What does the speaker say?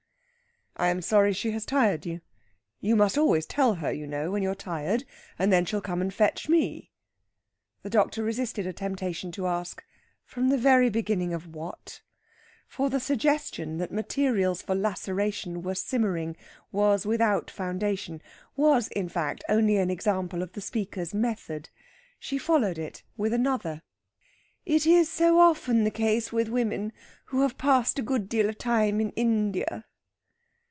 "I am sorry she has tired you. You must always tell her, you know, when you're tired, and then she'll come and fetch me." The doctor resisted a temptation to ask, "From the very beginning of what?" For the suggestion that materials for laceration were simmering was without foundation; was, in fact, only an example of the speaker's method. She followed it with another. "It is so often the case with women who have passed a good deal of time in India."